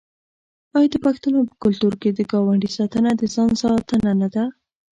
آیا د پښتنو په کلتور کې د ګاونډي ساتنه د ځان ساتنه نه ده؟